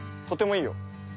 とてもいいよ。